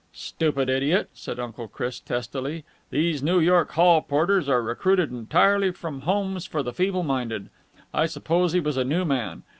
"Stupid idiot!" said Uncle Chris testily. "These New York hall porters are recruited entirely from homes for the feeble minded. I suppose he was a new man.